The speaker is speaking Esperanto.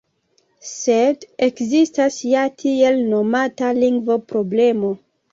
Sed ekzistas ja la tiel nomata “lingvo-problemo”.